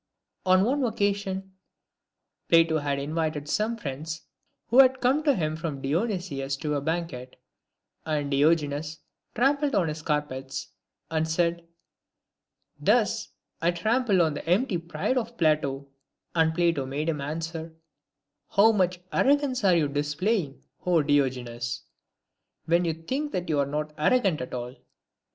On one occasion Plato had invited some friends who had come to him from Dionysius to a banquet, and Diogenes trampled on his carpets, and said, " Thus I trample on the empty pride of Plato ;" and Plato made him answer, " How much arrogance are you displaying, O Diogenes ! when you think that you are not arrogant at all."